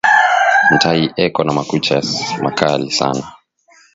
Ntayi eko na makucha ya makali sana